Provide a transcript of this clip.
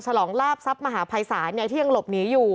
ฉลองลาบทรัพย์มหาภัยศาลที่ยังหลบหนีอยู่